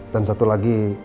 dan satu lagi